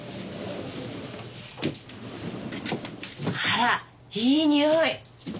あらいい匂い。